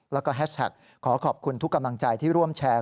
แล้วก็แฮชแท็กขอขอบคุณทุกกำลังใจที่ร่วมแชร์